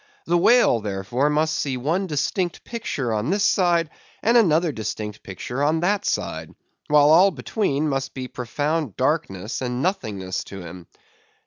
The whale, therefore, must see one distinct picture on this side, and another distinct picture on that side; while all between must be profound darkness and nothingness to him.